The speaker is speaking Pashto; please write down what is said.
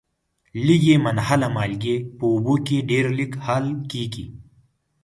لږي منحله مالګې په اوبو کې ډیر لږ حل کیږي.